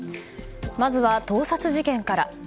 まずは盗撮事件から。